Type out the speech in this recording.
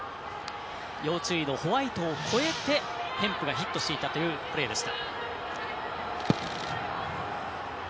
要注意のホワイトを超えてヘンプがヒットしていたというプレーでした。